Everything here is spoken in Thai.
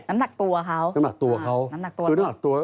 น้ำหนักตัวเขา